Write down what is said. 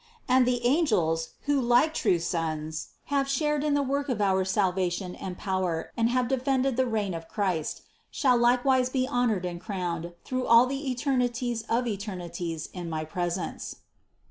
112 CITY OF GOD And the angels, who like true sons, have shared in the work of our salvation and power and have defended the reign of my Christ, shall likewise be honored and crowned through all the eternities of eternities in my presence."